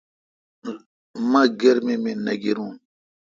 مہ گرمی می نہ گیروں۔